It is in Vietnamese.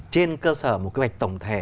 trên cơ sở một cái mạch tổng thể